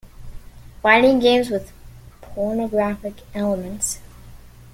Fighting games with pornographic elements.